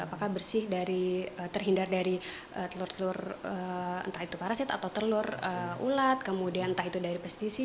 apakah bersih dari terhindar dari telur telur entah itu parasit atau telur ulat kemudian entah itu dari pestisi